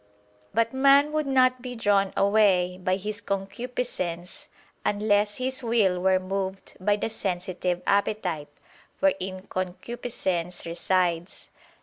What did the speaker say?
But man would not be drawn away by his concupiscence, unless his will were moved by the sensitive appetite, wherein concupiscence resides.